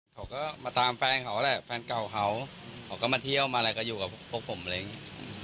เขาก็มาตามแฟนเขาแหละแฟนเก่าเขาเขาก็มาเที่ยวมาอะไรก็อยู่กับพวกผมอะไรอย่างนี้